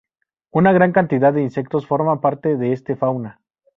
Una gran cantidad de insectos forman parte de este fauna.